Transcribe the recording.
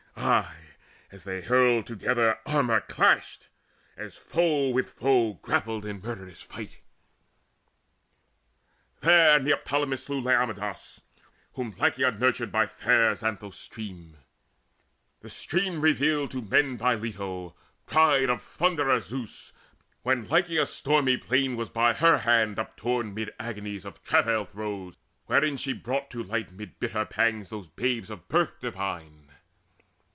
Aye, as they hurled together, armour clashed, As foe with foe grappled in murderous fight. There Neoptolemus slew Laodamas, Whom Lycia nurtured by fair Xanthus' stream, The stream revealed to men by Leto, bride Of Thunderer Zeus, when Lycia's stony plain Was by her hands uptorn mid agonies Of travail throes wherein she brought to light Mid bitter pangs those babes of birth divine.